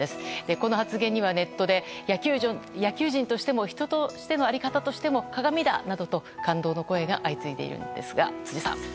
この発言には、ネットで野球人としても、人としての在り方としても鑑だなど感動の声が相次いでいるんですが辻さん。